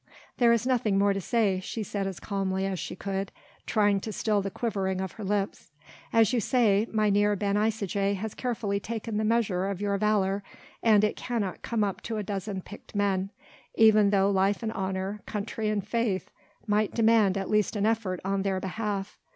"There is nothing more to say," she said as calmly as she could, trying to still the quivering of her lips: "as you say, Mynheer Ben Isaje has carefully taken the measure of your valour and it cannot come up to a dozen picked men, even though life and honour, country and faith might demand at least an effort on their behalf.